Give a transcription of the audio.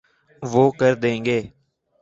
وہ کر دیں گے۔